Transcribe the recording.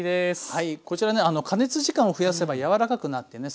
はいこちらね加熱時間を増やせば柔らかくなってね